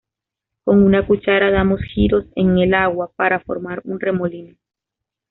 Con una cuchara damos giros en el agua para formar un remolino.